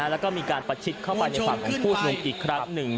แล้วก็มีการประชิดเข้าไปในฝั่งของผู้ชมนุมอีกครั้งหนึ่ง